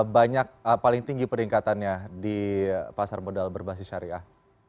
banyak paling tinggi peningkatannya di pasar modal berbasis syariah